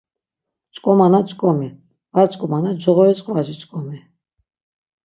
Ç̌ǩomana ç̌ǩomi, var ç̌ǩomana coğoriş ǩvaci ç̌ǩomi.